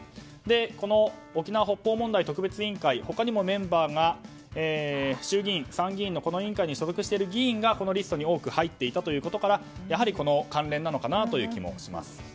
この沖縄・北方問題特別委員会他にもメンバーが衆議院、参議院のこの委員会に参加している議員がこのリストに多く入っていたことから関連なのかなという気はします。